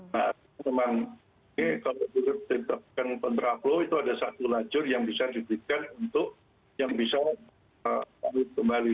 nah teman teman ini kalau ditentukan penterabloh itu ada satu lajur yang bisa dititikkan untuk yang bisa kembali